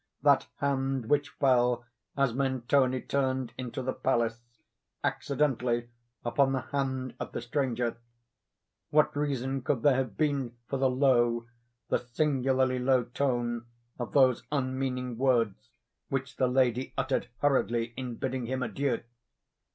—that hand which fell, as Mentoni turned into the palace, accidentally, upon the hand of the stranger. What reason could there have been for the low—the singularly low tone of those unmeaning words which the lady uttered hurriedly in bidding him adieu?